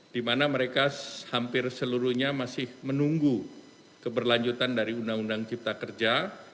di mana mereka hampir seluruhnya masih menunggu keberlanjutan dari undang undang cipta kerja